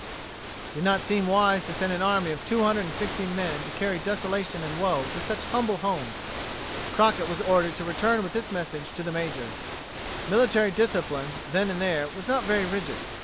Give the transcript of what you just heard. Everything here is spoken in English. It did not seem wise to send an army of two hundred and sixteen men to carry desolation and woe to such humble homes. Crockett was ordered to return with this message to the Major. Military discipline, then and there, was not very rigid.